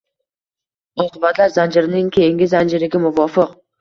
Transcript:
Oqibatlar zanjirining keyingi zanjiriga muvofiq